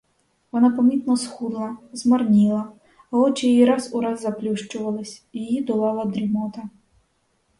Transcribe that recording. Вона помітно схудла, змарніла, а очі її раз у раз заплющувались: її долала дрімота.